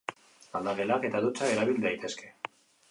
Aldagelak eta dutxak erabil daitezke.